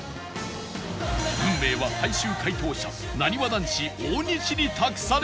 運命は最終解答者なにわ男子大西に託された